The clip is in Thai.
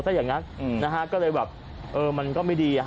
ซักอย่างงั้นอืมนะฮะก็เลยแบบเออมันก็ไม่ดีอ่ะฮะ